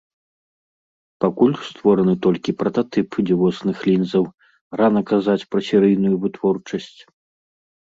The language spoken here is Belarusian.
Пакуль створаны толькі прататып дзівосных лінзаў, рана казаць пра серыйную вытворчасць.